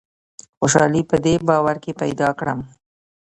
خوشالي په دې باور کې پیدا کړم.